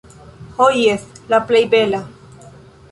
Ho jes, la plej bela.